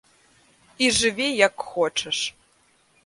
І жыві як хочаш.